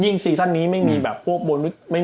ยิ่งซีซันนี้แบบไม่มีเบพีโบนด์